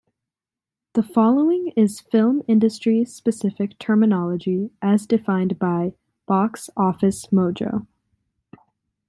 The following is film industry specific terminology as defined by Box Office Mojo.